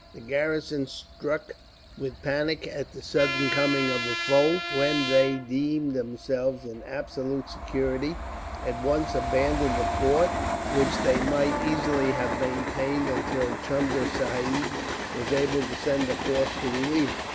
The garrison, struck with panic at the sudden coming of a foe, when they deemed themselves in absolute security, at once abandoned the fort, which they might easily have maintained until Chunda Sahib was able to send a force to relieve it.